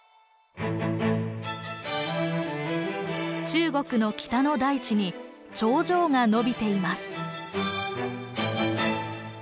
中国の北の大地に長城がのびています。